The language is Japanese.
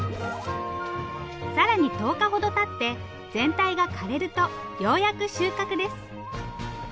更に１０日ほどたって全体が枯れるとようやく収穫です。